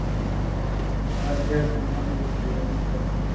Brácteas cóncavas diminutas.